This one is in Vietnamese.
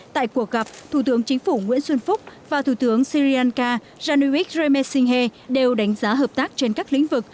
tại cuộc gặp thủ tướng chính phủ nguyễn xuân phúc và thủ tướng syrianka raniwikre mesinghe đều đánh giá hợp tác trên các lĩnh vực